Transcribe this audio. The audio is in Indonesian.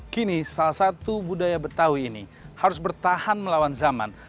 kini salah satu budaya betawi ini harus bertahan melawan zaman